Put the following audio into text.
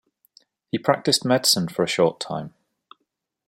He practised medicine for a short time.